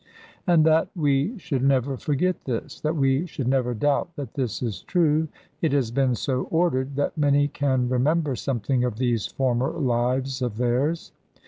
And that we should never forget this, that we should never doubt that this is true, it has been so ordered that many can remember something of these former lives of theirs.